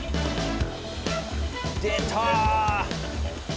出た！